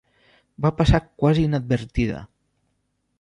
Va passar quasi inadvertida.